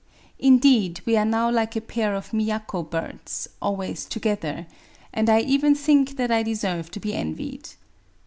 Indeed we are now like a pair of Miyako birds [always together] ; and 1 even think that I deserve to be envied.